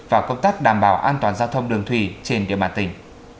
và công tác đảm bảo an toàn giao thông đường thủy trên địa bàn tỉnh